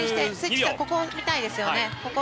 ここを見たいですよね。